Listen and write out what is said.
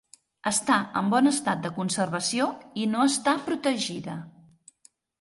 Està en bon estat de conservació i no està protegida.